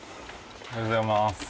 おはようございます。